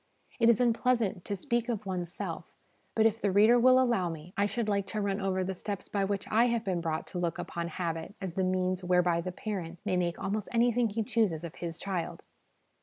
It is unpleasant to speak of one's self, but if the reader will allow me, I should like to run over the steps by which I have been brought to look upon habit as the means whereby the parent may make almost anything he chooses of his child.